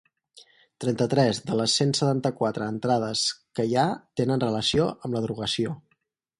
Trenta-tres de les cent setanta-quatre entrades que hi ha tenen relació amb la drogació.